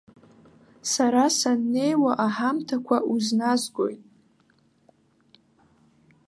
Сара саннеиуа аҳамҭақәа узназгоит.